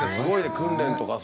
訓練とかさ。